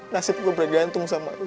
nasib gue bergantung sama lo